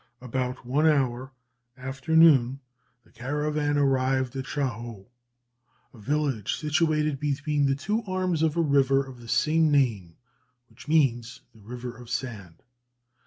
About one hour after noon, the caravan arrived at Sha ho, a village situated between the two arms of a river of the same name (which means "the river of sand").